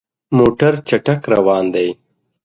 موټر چټک روان دی.